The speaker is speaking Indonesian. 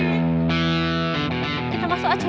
kita masuk aja yuk